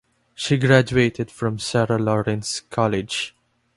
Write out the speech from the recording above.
She graduated from Sarah Lawrence College.